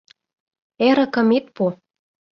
— Эрыкым ит пу!